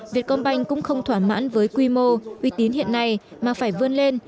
việt công banh cũng không thỏa mãn với quy mô uy tín hiện nay mà phải vươn lên